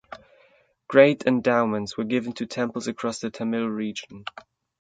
Great endowments were given to temples across the Tamil region.